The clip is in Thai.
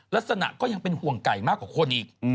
ลักษณะก็ยังเป็นห่วงไก่มากกว่าคนอีก